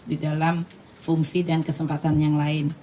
di dalam fungsi dan kesempatan yang lain